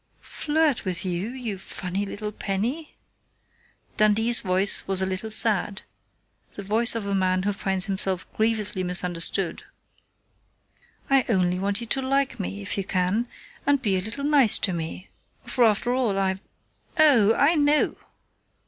_" "Flirt with you, you funny little Penny?" Dundee's voice was a little sad, the voice of a man who finds himself grievously misunderstood. "I only want you to like me, if you can, and be a little nice to me, for after all I " "Oh, I know!"